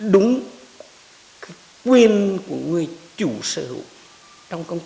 đúng quyền của người chủ sở hữu trong công ty